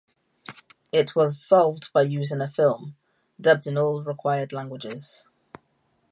It was solved by using a film, dubbed in all required languages.